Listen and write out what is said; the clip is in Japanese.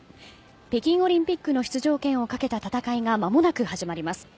北京オリンピックの出場権を懸けた戦いが間もなく始まります。